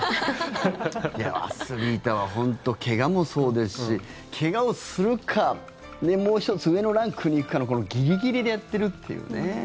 アスリートは怪我もそうですし怪我をするかもう１つ上のランクに行くかのこのギリギリでやってるっていうね。